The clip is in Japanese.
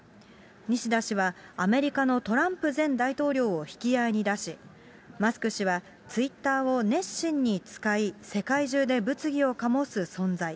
西田氏はアメリカのトランプ前大統領を引き合いに出し、マスク氏はツイッターを熱心に使い、世界中で物議を醸す存在。